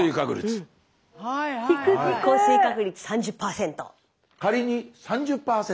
降水確率３０％。